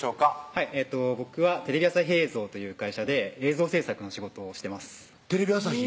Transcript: はい僕はテレビ朝日映像という会社で映像制作の仕事をしてますテレビ朝日？